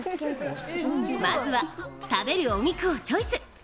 まずは食べるお肉をチョイス。